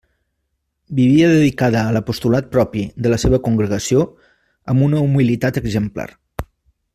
Vivia dedicada a l'apostolat propi de la seva Congregació amb una humilitat exemplar.